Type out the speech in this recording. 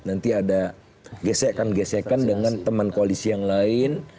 nanti ada gesekan gesekan dengan teman koalisi yang lain